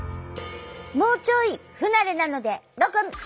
もうちょい不慣れなのでロコ２つ！